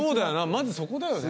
まずそこだよね